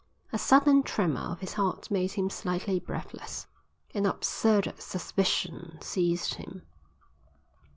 A sudden tremor of his heart made him slightly breathless. An absurd suspicion seized him.